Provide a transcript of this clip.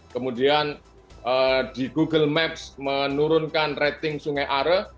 kemudian di google maps menurunkan rating sungai are